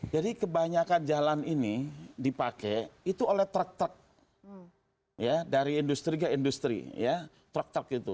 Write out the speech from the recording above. jadi kebanyakan jalan ini dipakai itu oleh truck truck ya dari industri ke industri ya truck truck itu